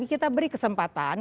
kita beri kesempatan